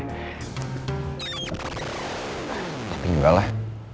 tapi enggak lah